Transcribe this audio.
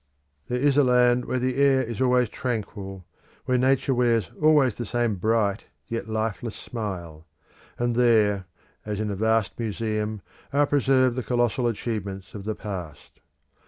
There is a land where the air is always tranquil, where Nature wears always the same bright yet lifeless smile; and there, as in a vast museum, are preserved the colossal achievements of the past.